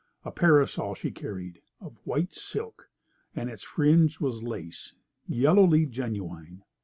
A parasol she carried, of white silk, and its fringe was lace, yellowly genuine.